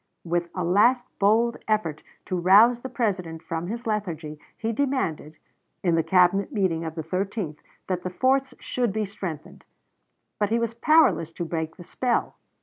With a last bold effort to rouse the President from his lethargy, he demanded, in the Cabinet meeting of the 13th, that the forts should be strengthened. But he was powerless to break the spell.